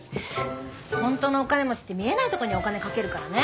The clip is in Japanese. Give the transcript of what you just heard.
本当のお金持ちって見えないとこにお金かけるからね。